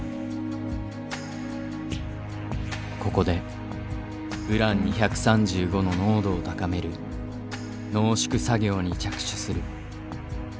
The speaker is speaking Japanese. ここでウラン２３５の濃度を高める濃縮作業に着手する。